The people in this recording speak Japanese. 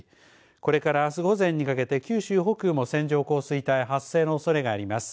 これから、あす午前にかけて九州北部も線状降水帯発生のおそれがあります。